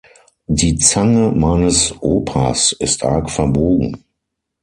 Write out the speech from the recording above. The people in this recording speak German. Die Zange meines Opas ist arg verbogen.